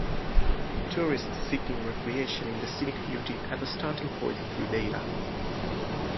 Tourists seeking recreation in the scenic beauty have a starting point in Ribeira.